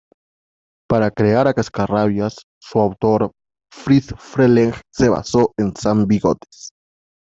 Para crear a Cascarrabias, su autor, Friz Freleng, se basó en Sam Bigotes.